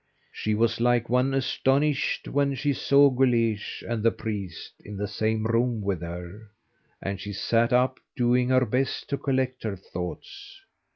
She was like one astonished when she saw Guleesh and the priest in the same room with her, and she sat up doing her best to collect her thoughts.